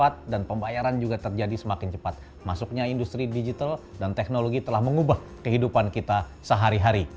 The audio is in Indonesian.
teknologi telah mengubah kehidupan kita sehari hari